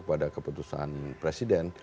kepada keputusan presiden